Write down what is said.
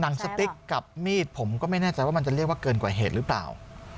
หนังสติ๊กกับมีดผมก็ไม่แน่ใจว่ามันจะเรียกว่าเกินกว่าเหตุหรือเปล่า